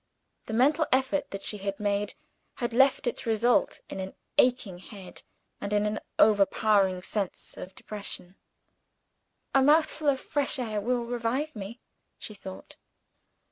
The mental effort that she had made had left its result in an aching head, and in an overpowering sense of depression. "A mouthful of fresh air will revive me," she thought.